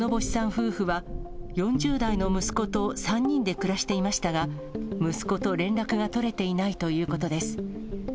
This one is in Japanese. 夫婦は、４０代の息子と３人で暮らしていましたが、息子と連絡が取れていないということです。